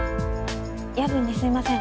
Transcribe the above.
夜分にすみません